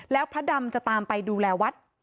แล้วพระดำจะตามไปดูแลวัด